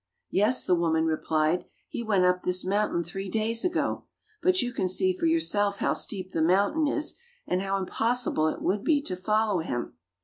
"Yes," the woman replied, "he went up this mountain three days ago. But you can see for yourself how steep the mountain is, and how impossible it would be to follow him."